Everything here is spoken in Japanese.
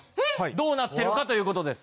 どうなってるか？という事です。